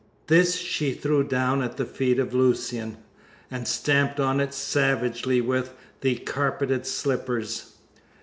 This she threw down at the feet of Lucian, and stamped on it savagely with the carpet slippers.